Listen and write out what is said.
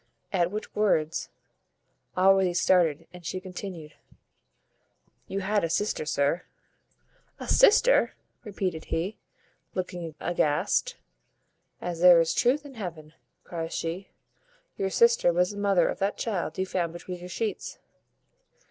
At which words Allworthy started, and she continued "You had a sister, sir." "A sister!" repeated he, looking aghast. "As there is truth in heaven," cries she, "your sister was the mother of that child you found between your sheets."